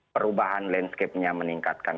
perubahan landscape nya meningkatkan